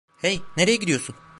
Hey, nereye gidiyorsun?